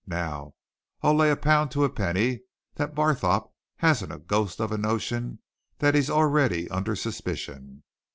Now, I'll lay a pound to a penny that Barthorpe hasn't a ghost of a notion that he's already under suspicion.